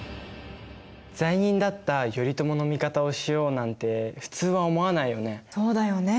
罪人だった頼朝の味方をしようなんて普通は思わないよね。